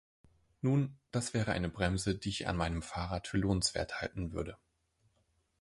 Nun, das wäre eine Bremse, die ich an meinem Fahrrad für lohnenswert halten würde.